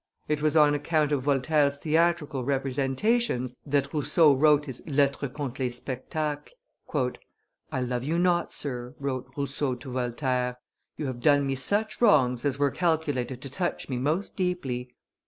It was on account of Voltaire's theatrical representations that Rousseau wrote his Lettre centre les Spectacles. "I love you not, sir," wrote Rousseau to Voltaire: "you have done me such wrongs as were calculated to touch me most deeply.